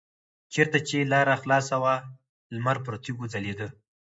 چېرته چې لاره خلاصه وه لمر پر تیږو ځلیده.